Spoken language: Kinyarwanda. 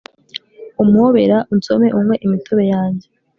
Umpobera unsome unywe imitobe yanjye